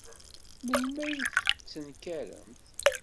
Melmi ay d-tettenkaremt?